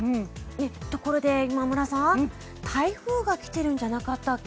ところで今村さん、台風が来てるんじゃなかったっけ。